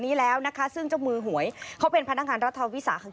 นี้แล้วนะคะซึ่งมือหวยเขาเป็นพนักงานรัฐวิทยาลัยอุตสาธารณา